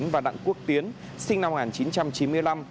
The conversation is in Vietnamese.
và đặng quốc tiến sinh năm một nghìn chín trăm chín mươi năm